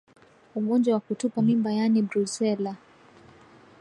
Ugonjwa wa kutupa mimba yaani Brusela